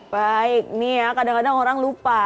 baik nih ya kadang kadang orang lupa